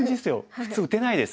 普通打てないです。